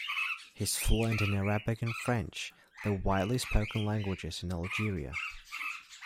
He is fluent in Arabic and French, the widely spoken languages in Algeria.